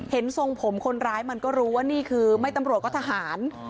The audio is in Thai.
ทรงผมคนร้ายมันก็รู้ว่านี่คือไม่ตำรวจก็ทหาร